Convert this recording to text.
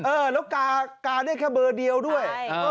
เออแล้วกาได้แค่เบอร์เดียวด้วย